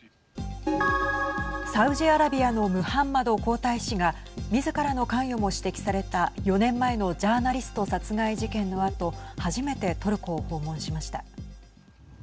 サウジアラビアのムハンマド皇太子がみずからの関与も指摘された４年前のジャーナリスト殺害事件のあと初めてトルコを訪問しました。